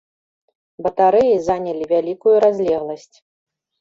Батарэі занялі вялікую разлегласць.